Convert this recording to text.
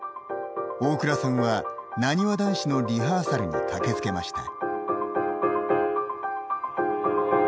大倉さんはなにわ男子のリハーサルに駆けつけました。